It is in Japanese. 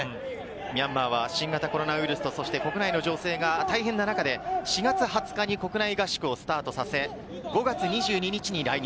ミャンマーは新型コロナウイルスと国内の情勢が大変な中で４月２０日に国内合宿をスタートさせ、５月２２日に来日。